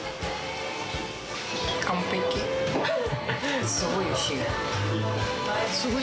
完璧すごい美味しい。